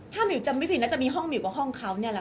ถ้ามิวจำไม่ผิดน่าจะมีห้องมิวกับห้องเขาเนี่ยแหละ